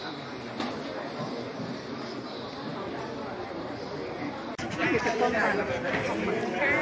สวัสดีครับ